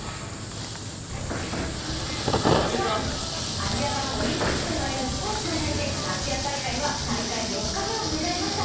アジア版オリンピックと呼ばれるスポーツの祭典、アジア大会は大会４日目を迎えました。